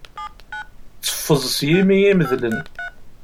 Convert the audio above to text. Tteffeẓ s yimi imedlen.